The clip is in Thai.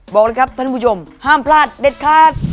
บอกเลยครับท่านผู้ชมห้ามพลาดเด็ดขาด